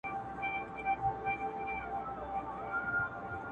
• یو په یو یې خپل عیبونه پلټلای -